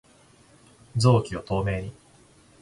臓器を透明に